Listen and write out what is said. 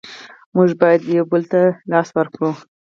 موږ باید یو بل ته لاس ورکړو.